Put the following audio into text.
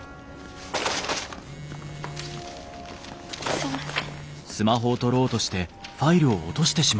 すいません。